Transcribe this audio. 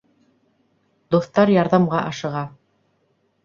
Дуҫтар ярҙамға ашыға